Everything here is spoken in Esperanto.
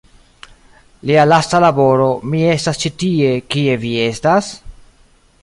Lia lasta laboro "Mi estas ĉi tie- Kie vi estas?